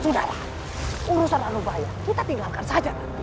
sudahlah urusan anu bahaya kita tinggalkan saja